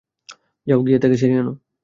যাও, গিয়ে তাকে ছাড়িয়ে আনো।